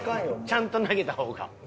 ちゃんと投げた方が。